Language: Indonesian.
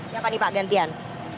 siapa nih pak gantian